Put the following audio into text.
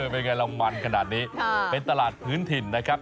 เป็นไงเรามันขนาดนี้เป็นตลาดพื้นถิ่นนะครับ